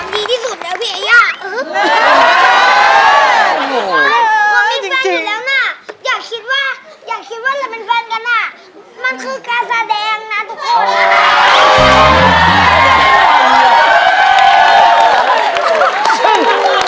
มันคือการแสดงนะทุกคน